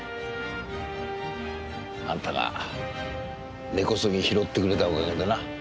あんたが根こそぎ拾ってくれたお陰でな。